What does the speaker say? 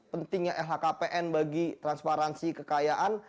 pentingnya lhkpn bagi transparansi kekayaan